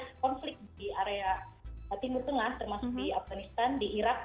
karena ada konflik di area timur tengah termasuk di afganistan di irak